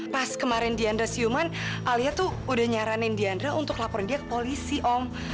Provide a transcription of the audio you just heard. pas kemarin diandre siuman alia tuh udah nyaranin diandre untuk laporin dia ke polisi om